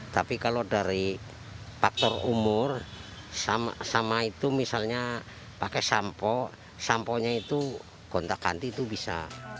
tapi kalau dari faktor umur sama itu misalnya pakai sampo samponya itu kontak kanti itu bisa